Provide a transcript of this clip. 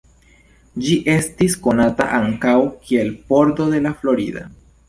Ĝi estis konata ankaŭ kiel pordo de La Florida.